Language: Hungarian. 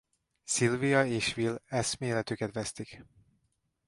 Sylvia és Will eszméletüket vesztik.